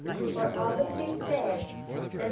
For Augustine says (De Civ.